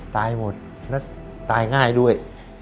ตายหมดและตายง่ายด้วย